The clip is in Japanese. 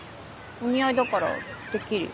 お似合いだからてっきり。